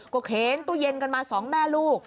ก็เค้นตู้เย็นกันมา๒แม่ลูก